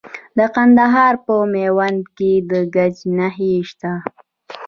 د کندهار په میوند کې د ګچ نښې شته.